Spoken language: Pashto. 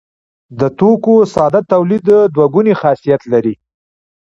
د توکو ساده تولید دوه ګونی خاصیت لري.